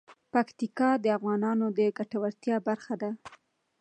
پکتیکا د افغانانو د ګټورتیا برخه ده.